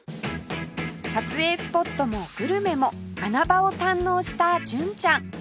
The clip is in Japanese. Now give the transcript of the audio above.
撮影スポットもグルメも穴場を堪能した純ちゃん